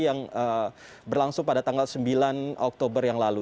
yang berlangsung pada tanggal sembilan oktober yang lalu